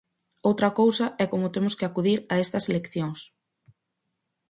Outra cousa é como temos que acudir a estas eleccións.